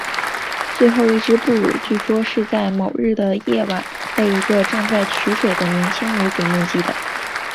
最后一只布鲁据说是在某日的夜晚被一个正在取水的年轻女子目击的。